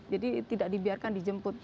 jadi tidak dibiarkan dijemput